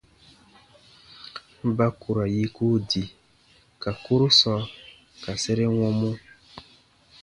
Ba ku ra yiku di ka kurusɔ ka sere wɔmu.